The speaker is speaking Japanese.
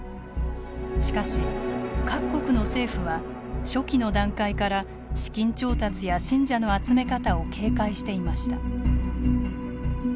しかし各国の政府は初期の段階から資金調達や信者の集め方を警戒していました。